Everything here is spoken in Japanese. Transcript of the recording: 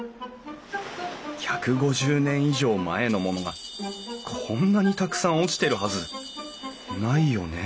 １５０年以上前のものがこんなにたくさん落ちてるはずないよね？